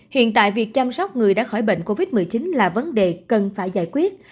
hiện tại việc chăm sóc người đã khỏi bệnh covid một mươi chín là vấn đề cần phải giải quyết